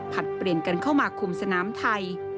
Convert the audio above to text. เปลี่ยนกันเข้ามาคุมสนามไทย